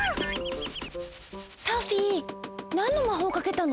サフィーなんのまほうかけたの？